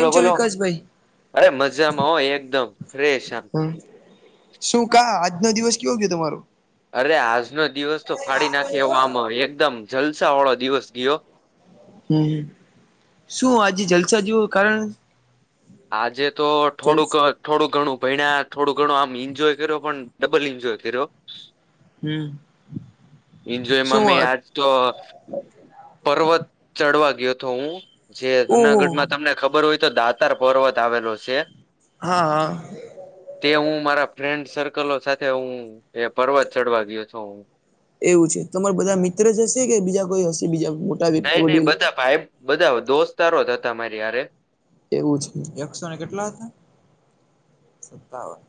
લો છો બોલો વિકાસભાઈ અરે મજામાં હો એકદમ ફ્રેશ આમ. હમ શું કા આજનો દિવસ કેવો ગીયો તમારો. અરે આજનો દિવસ તો ફાડી નાખે એવો આમ એકદમ જલસા વાળો દિવસ ગીયો. હમમ શું આજે જલસા જેવું કારણ આજે તો જલ થોડુંક અ થોડું ઘણું ભઈણા, થોડું ઘણું આમ એન્જોય કર્યો પણ ડબલ એન્જોય કર્યો. હમ શું એન્જોયમાં મેં વાત આજ તો પર્વત ચડવા ગયો હતો હું જે ઓહો જુનાગઢમાં તમને ખબર હોય તો દાતર પર્વત આવેલો છે. હા. તે હું મારા ફ્રેન્ડ સર્કલો સાથે હું એ પર્વત ચડવા ગીયો તો હું. એવું છે તમાર બધા મિત્ર જ હશે કે બીજા કોઈ હશે બીજા મોટા વ્યક્તિ નઈ નઈ વડીલ બધા ભાઈ બધા દોસ્તારો જ હતા મારી હારે. એવું છે એકસો ને કેટલા હતા. સત્તાવન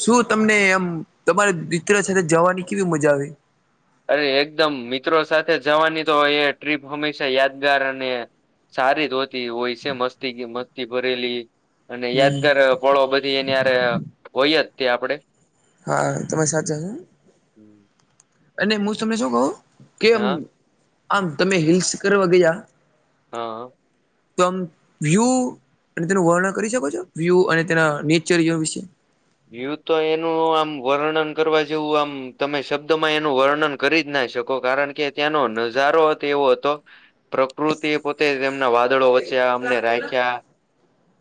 શું તમને આમ તમારા મિત્ર સાથે જવાની કેવી મજા આવી. અરે એકદમ મિત્રો સાથે જવાની તો એ ટ્રીપ હંમેશા યાદગાર અને સારી જ હોતી હોય છે મસ્તી કી મસ્તી ભરેલી અને યાદગાર પળો બધી એની હારે હોય જ તે આપડે હા તમે સાચા છે. હમ્મ. અને હું તમને શું કહું, કેમ હા આમ તમે હિલ્સ કરવા ગયા હા. તો આમ વ્યુહ અને તેનું વર્ણન કરી શકો છો? વ્યુહ અને તેના નેચરીય વિશે? વ્યુહ તો એનું આમ વર્ણન કરવા જેવું આમ તમે શબ્દ માં એનું વર્ણન કરી જ ના શકો, કારણ કે ત્યાંનો નજારો હતો એવો હતો પ્રકૃતિએ પોતે તેમના વાદળો વચ્ચે આ અમને રાખ્યા.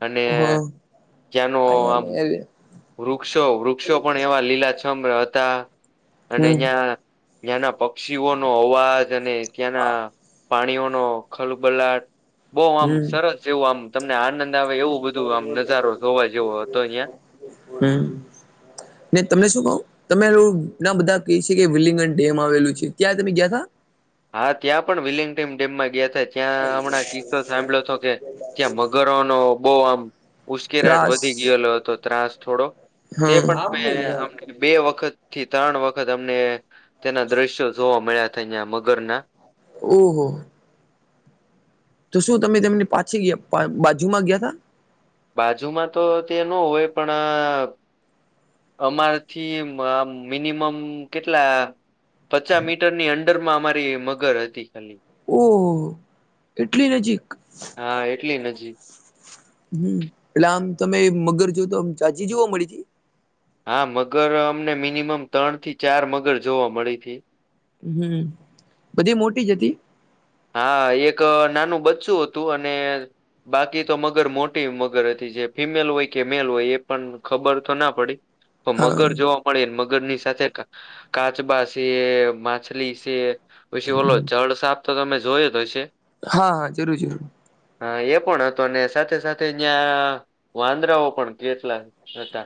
અને હા ત્યાંનો આમ વૃક્ષો-વૃક્ષો પણ એવા લીલાછમ હતા. અને હમ ન્યાં ન્યાંના પક્ષીઓનો અવાજ, અને ત્યાંના પાણીઓ નો ખલબલાટ, બહું આમ હમ સરસ જેવું આમ તમને આનંદ આવે એવું બધું આમ નજારો જોવા જેવો હતો અહિયાં. હમ્મ. ને તમને શું કહું તમે લો ના બધા કેય સે કે વિલિંગન ડેમ આવેલું છે, ત્યાં તમે ગયા તા? હા ત્યાં પણ વિલિંગ્ટમ ડેમમાં ગયા તા જ. ત્યાં હમણાં કિસ્સો સાંભળ્યો તો કે ત્યાં મગરો નો બહું આમ ઉશ્કેરાટ ત્રાસ વધી ગયેલો હતો ત્રાસ થોડો. તે પણ મે હમ અમને બે વખત થી તણ વખત અમને તેના દ્રશ્યો જોવા મળ્યા તા યા મગરના. ઓહો! તો શું તમે તેમની પાછી યા બાજુમાં ગયા તા? બાજુમાં તો તે નો હોય, પણ આ અમારથી મ મિનિમમ કેટલા પચાહ મીટર ની અંંડર માં અમારી મગર હતી ખાલી. ઓહો! એટલી નજીક? હા એટલી નજીક. હમ્મ. એટલે આમ તમે મગર જોવ તો આમ જાજી જોવા મળી જાય? હા મગર અમને મિનિમમ ત્રણ થી ચાર મગર જોવા મળી થી. હમ્મ. બધી મોટી જ હતી? હા. એક નાનું બચ્ચું હતું અને બાકી તો મગર મોટી મગર હતી. જે ફિમેલ હોય કે મેલ હોય એ પણ ખબર તો ના પડી. તો હા મગર જોવા મળી, ને મગર ની સાથે કાચબા સે, માછલી સે પછી ઓલો હમ જળ સાપ તો તમે જોયો જ હશે. હા, હા જરૂર-જરૂર. હા એ પણ હતો, ને સાથે-સાથે ન્યાં વાંદરાઓ પણ કેટલા હતા.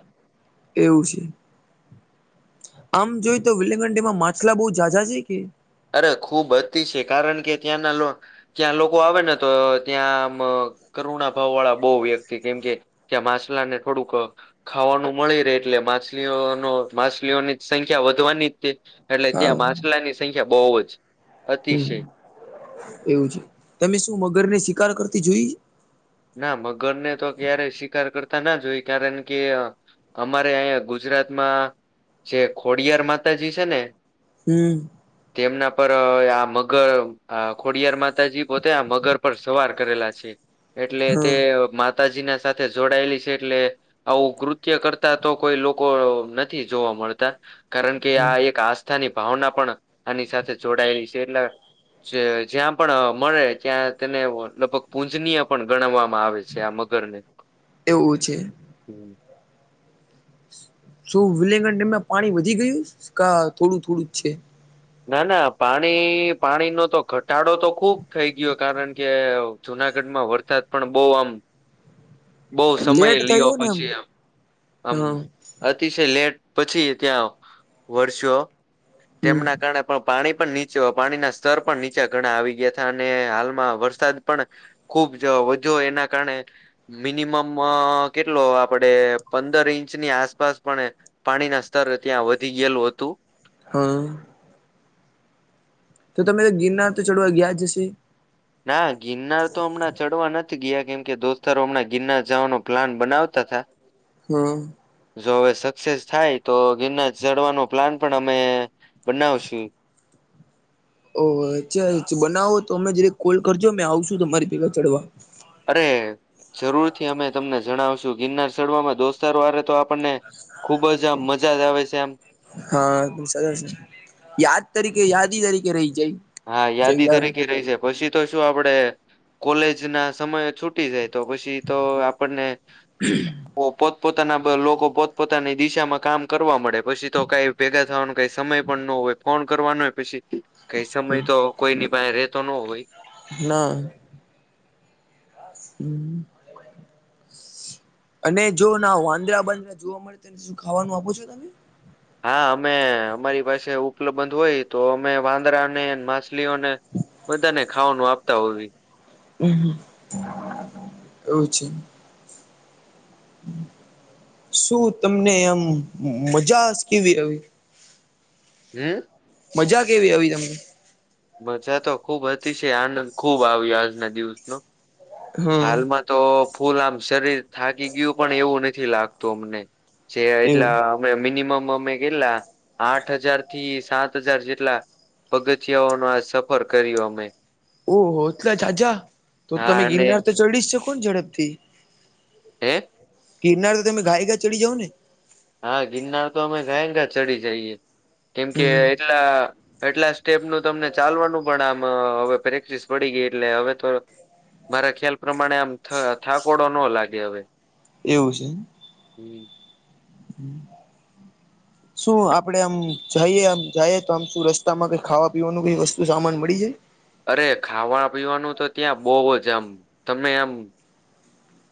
એવું સે. આમ જોઈ તો [unintelligible] ડેમ માં માછલા બઉ જાજા છે કે? અરે ખૂબ અતિશય, કારણ કે ત્યાંના લો ત્યાં લોકો આવે ને તો ત્યાં આમ કરુણાભાવ વાળા બહુ વ્યક્તિ કેમ કે ત્યાં માછલા ને થોડુંક ખાવાનું મળી રહે એટલે માછલીઓનો માછલીઓની જ સંખ્યા વધવાની તે. એટલે હા ત્યાં માછલાની સંખ્યા બહુ જ. હમ્મ અતિશય એવું છે. તમે શું મગર ને શિકાર કરતી જોઈ? ના મગરને તો ક્યારેય શિકાર કરતા ના જોઈ, કારણ કે અમારે અહીંયા ગુજરાતમાં જે ખોડિયાર માતાજી છે ને હમ્મ. તેમના પર આ મગર આ ખોડિયાર માતાજી પોતે આ મગર પર સવાર કરેલા છે. એટલે તે હા માતાજી ના સાથે જોડાયેલી છે એટલે આવું કૃત્ય કરતા તો કોઈ લોકો નથી જોવા મળતા, કારણ કે આ એક આશ થ ની ભાવના પણ આની સાથે જોડાયેલી છે એટલે જે જ્યાં પણ મળે ત્યાં તેને લગભગ પૂજનીય પણ ગણવામાં આવે છે આ મગરને. એવું છે શું? વિલેંગન ડેમમાં પાણી વધી ગયું ક થોડું થોડું જ છે. ના ના પાણી પાણીનો તો ઘટાડો તો ખુબ થઈ ગયો કારણ કે જુનાગઢમાં વરસાદ પણ બહુ આમ હ [unintelligible] બહ સમય લીયો પછી આમ આમ. હા અતિશય લેટ પછી ત્યાં વરસ્યો હમ તેમના પણ પાણી પણ નીચે પાણીના સ્તર પણ નીચા ઘણા આવી ગયા હતા અને હાલમાં વરસાદ પણ, ખુબ વધુ એના કારણે, મિનિમમ કેટલો આપડે પંદર ઇંચની આસપાસ પણ પાણીના સ્તર ત્યાં વધી ગયેલું હતું. હા. તો તમે તો ગિરનાર તો ચડવા ગયા જશે? ના ગિરનાર તો હમણાં ચડવા નથી ગયા કેમ કે દોસ્તારો હમણા ગિરનાર જવાનો પ્લાન બનાવતા થા હમ. જો હવે સક્સેસ થાય તો ગિરનાર ચડવાનો પ્લાન પણ અમે બનાવશું. ઓ અચ્છા બનાવો તો અમે જ કોલ કરજો મેં આવશું તમારી પેગા ચડવા. અરે જરૂરથી અમે તમને જણાવશું ગિરનાર ચડવા માં દોસ્તાર વારે તો આપણને. ખુબ જ આમ મજા જ આવે છે એમ. હા સરસ યાદ તરીકે યાદી તરીકે રહી જાય. હા યાદી જઈલા તરીકે રહી છે પછી તો શું આપડે કોલેજ ના સમય છૂટી જાય તો પછી તો આપણને. હમ. પોતપોતાના લોકો પોતપોતાની દિશામાં કામ કરવા મળે પછી તો કાંઈ ભેગા થવાનો કઈ સમય પણ ન હોય ફોન કરવાનો હોય પછી કઈ સમય તો કોઈ ની પાસે રેતો ન હોય. ના. હમ. અને જો ના વાંદરા બાંદરા જોવા મળે તો એને શું ખાવાનું આપો છો તમે. હા અમે અમારી પાસે ઉપલબ્ધ હોય તો અમે વાંદરાને માછલીઓને. બધાને ખાવાનું આપતા હોવી. હમ હવ છે. હમ. શું તમને આમ મજા કેવી ર. હ. મજા કેવી આવી તમને. મજા તો ખુબ હતી છે આનંદ ખૂબ આવ્યો આજના દિવસનો. હા હાલમાં તો ફૂલ આમ શરીર થાકી ગયું પણ એવું નથી લાગતું અમને. છે એવું એટલા. મિનિમમ અમે કેટલા આઠ હજાર થી સાત હજાર જેટલા. પગથિયાઓનો આ સફર કર્યો અમે. ઓહો એટલે ઝા ઝા તો હા તમે અને ગિરનાર તો ચડી જ શકોને ઝડપથી. એક. ગીરનાર તો તમે ઘાય ઘા ચડી જાવ ને. હા ગિરનાર તો અમે ઘાએ ઘા ચડી જઈએ કેમ કે હમ એટલા એટલા સ્ટેપનું તમને ચાલવાનું પણ આમ હવે પ્રેક્ટિસ પડી ગઈ એટલે હવે તો મારા ખ્યાલ પ્રમાણે આમ થાકોડો ન લાગે હવે એવું છે. [inaudible] [inaudible] શું આપણે આમ જઈએ આમ જઈએ તો આમ શું રસ્તામાં કંઈ ખાવા પીવાનું કંઈ વસ્તુ સામાન મળી જાય. અરે ખાવા પીવાનું તો ત્યાં બઉજ આમ તમે આમ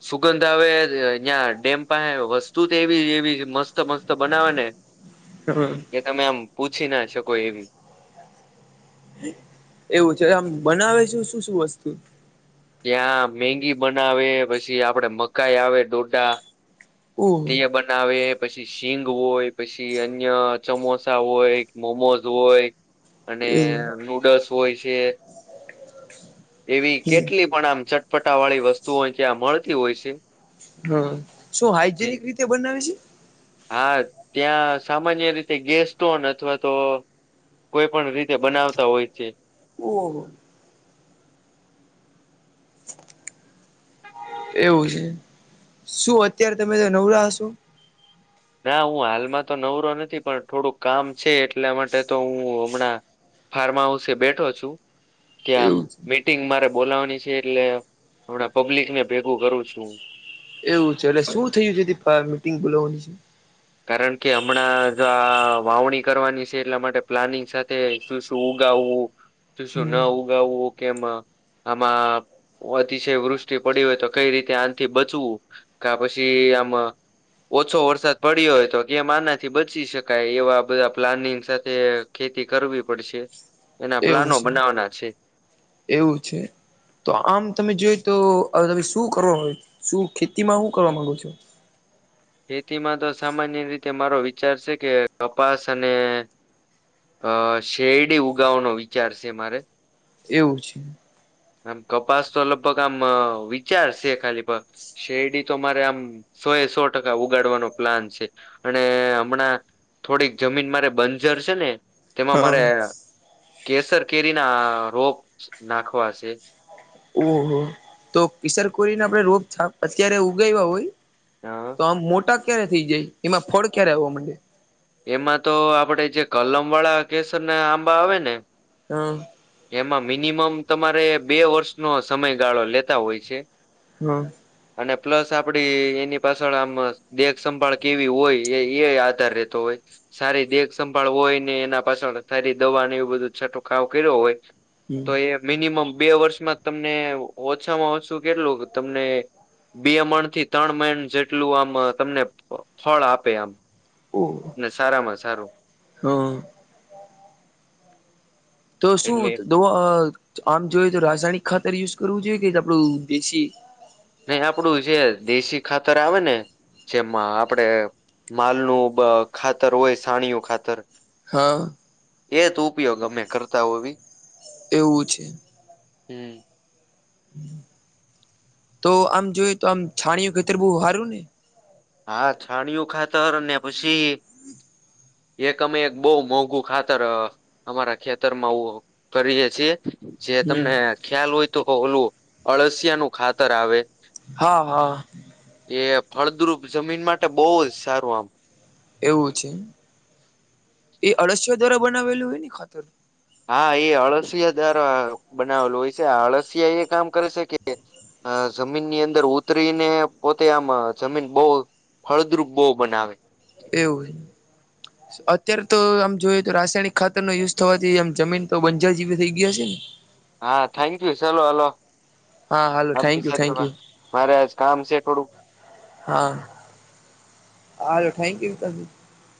સુગંધ આવે અ અહિયા ડેમ પાહે વસ્તુ તો એવી એવી મસ્ત મસ્ત બનાવે ને. હમ. એ તમે આમ પૂછી ના શકો એવી. એવું છે આમ બનાવે છેું શું શું વસ્તુ ત્યાં મેગી બનાવે પછી આપડે મકાઈ આવે ડોડા તે ઓહ બન બનાવે પછી શીંગ હોય પછી અન્ય સમોસા હોય મોમોઝ હોય. અને એવું નૂડલ્સ હોય છે. એવી હમ. કેટલી પણ આમ ચટપટા વાળી વસ્તુઓ ત્યાં મળતી હોય છે. હા શું હાઈજિનિક રીતે બનાવે છે. હા ત્યાં સામાન્ય રીતે ગેસ્ટોન અથવા તો કોઈ પણ રીતે બનાવતા હોય છે. ઓહો એવું છે શું અત્યારે તમે નવરા હશો. ના હું હાલમાં તો નવરો નથી પણ થોડુંક કામ છે એટલા માટે તો હું હમણાં ફાર્મા હાઉસે બેઠો છું. ત્યાં એવું છે. મીટિંગ મારે બોલાવાની છે એટલે હમણાં પબ્લિક ને ભેગું કરું છું. એવું છે એલે શું થયું છે કે મીટિંગ બોલાવવાની છે. કારણ કે હમણાં જો આ વાવણી કરવાની છે એટલા માટે પ્લાનિંગ સાથે શું શું ઉગાવવું તું શું હમ ના ઉગાવવું કેમા આમાં અતિશય વૃષ્ટિ પડી હોય તો કઈ રીતે આથી બચવું કા પછી આમાં ઓછો વરસાદ પડ્યો હોય તો કેમ આનાથી બચી શકાય એવા બધા પ્લાનિંગ સાથે ખેતી કરવી પડશે એના એવું પ્લાનો છે બનાવવાના છે એવું છે. તો આમ તમે જોઈ તો અ તમે શું કરો હોય શું ખેતીમાં શું કરવા માંગો છો. ખેતીમાં તો સામાન્ય રીતે મારો વિચાર છે કે કપાસ અને અ શેરડી ઉગાનો વિચાર છે મારે એવું છે. આમ કપાસ તો લગભગ આમ વિચારશે ખાલી શેરડી તો મારે આમ સો એ સો ટકા ઉગાડવાનો પ્લાન છે અને હમણાં થોડીક જમીન મારે બંજર છે ને તેમાં મારે હા. અ કેસર કેરી ના રોપ નાખવા છે. ઓહો તો કિશર કોરીને આપણે રોપ થાપ અત્યારે ઉગાવ્યા હોય. હા. તો આમ મોટા ક્યારે થઈ જાય એમાં ફળ ક્યારે આવા મડે. એમાં તો આપડે જે કલમ વાળા કેસર ના આંબા આવે ને હા. એમાં મિનિમમ તમારે બે વર્ષનો સમયગાળો લેતા હોય છે. હું. અને પ્લસ આપડી એની પાછળ આમ દેખ સંભાળ કેવી હોય એ એ આધાર રહેતો હોય. સારી દેખ સંભાળ હોય ને એના પાછળ સારી દવા એવું બધું છટોકાવ કર્યો હોય. તો હમ એ મિનિમમ બે વર્ષમાં તમને ઓછામાં ઓછું કેટલું તમને બે મણ થી ત્રણ મન જેટલું આમ તમને ફળ આપે આમ. ને સારામાં સારું. હમ. તો શું એટલે આમ જોય તો રાસાયણિક ખાતર યુઝ કરવું જોઈએ કે આપણું દેશી? ન આપડું જે દેશી ખાતર આવે ને. જેમાં આપડે માલ ન ખાતર હોય સાણીયું ખાતર. હા. એ તો ઉપયોગ અમે કરતા હોવી. એવું છે. હમ. તો આમ જોય તો આમ છાણીઓ ખેતર બહ હારું ને. હા છાણિયું ખાતર ને પછી એક અમે એક બહ મોંઘું ખાતર અમારા ખેતરમાં કરીએ છેએ. જે હમ તમને ખ્યાલ હોય તો ઓલું અળસિયા નું ખાતર આવે. હા હા. એ ફળદ્રુપ જમીન માટે બહુ જ સારું આમ. એવું છે, એ અળસઓ દ્વારા બનાવેલું હોય ને ખાતર હા એ અળસિયા દાર બનાવેલું હોય છે આ અળસિયા એ કામ કરે છે કે અ જમીનની અંદર ઉતરીને પોતે આમ જમીન બહ ફળદ્રુબ બો બનાવે. એવું. અત્ય્યારે તો આમ જોયએ તો રાસાયણિક ખાતર નો યુઝ થવાથી આમ જમીન તો બંજાર જેવી થઈ ગયા હ છે ને? હા થેન્ક યુ ચલો હલો. હા હાલો થેન્ક આપની યુ સાથે થેન્ક યુ મારે આજ કામ છે થોડુંક. હા, હો થેન્ક યુ.